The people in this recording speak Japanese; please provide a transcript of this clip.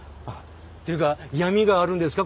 っていうか闇があるんですか？